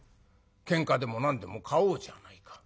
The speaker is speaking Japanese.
けんかでも何でも買おうじゃないか。